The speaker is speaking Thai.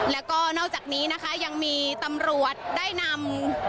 แล้วก็นอกจากนี้นะคะยังมีตำรวจได้นำ